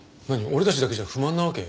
俺たちだけじゃ不満なわけ？